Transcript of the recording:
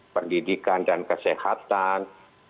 pendidikan dan kesehatan